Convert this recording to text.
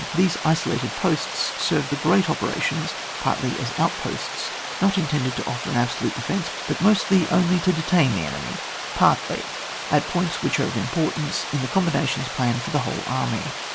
These isolated posts serve the great operations partly as outposts, not intended to offer an absolute defence, but mostly only to detain the enemy, partly, at points which are of importance in the combinations planned for the whole army.